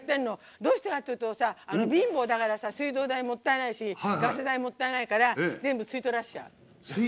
どうしてかって、貧乏だから水道代もったいないしガス代もったいないから全部吸い取らせちゃう。